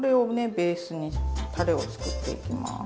ベースにたれを作っていきます。